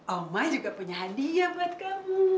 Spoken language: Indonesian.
oma juga punya hadiah buat kamu